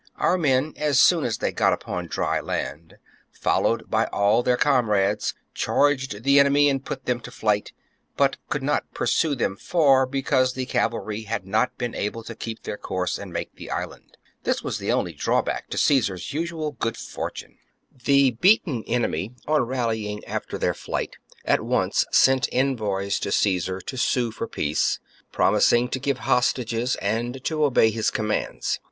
Our men, as soon as they got upon dry land, followed by all their comrades, charged the enemy and put them to flight, but could not pursue them far because the cavalry had not been able to keep their course and make the island. This was the only draw back to Caesar's usual good fortune. 2 7. The beaten enemy, on rallyinsf after their The beaten n 1 ^ r Britons sue flight, at once sent* envoys to Caesar to sue for for peace. peace, promising to give hostages and to obey his commands.